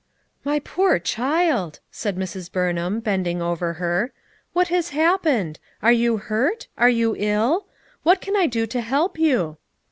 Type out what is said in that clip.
"My poor child!" said Mrs. Burnham, bend ing over her. "What has happened? Are you hurt? are you ill? What can I do to help you?"